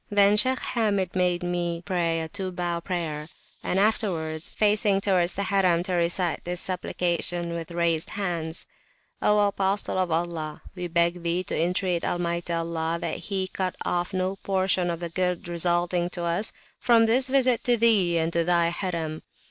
Then Shaykh Hamid made me pray a two bow prayer, and afterwards, facing towards the Harim, to recite this supplication with raised hands: O Apostle of Allah, we beg Thee to entreat Almighty Allah, that He cut off no Portion of the Good resulting to us, from this Visit to Thee and to Thy Harim!